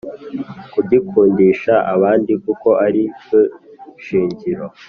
kugikundisha abandi kuko ari cyo shingiro